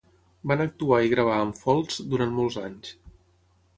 Van actuar i gravar amb Folds durant molts anys.